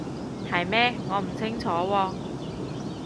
係咩？我唔清楚喎